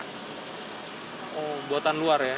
oh buatan luar ya